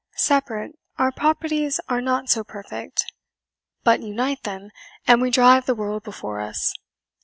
Separate, our properties are not so perfect; but unite them, and we drive the world before us.